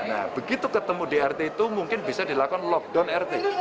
nah begitu ketemu di rt itu mungkin bisa dilakukan lockdown rt